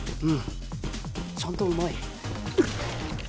ちゃんとうまい。